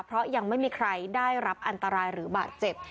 เพราะยังไม่มีใครได้รับอันตรายหรือบาดเจ็บ